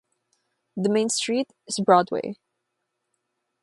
The main street is Broadway.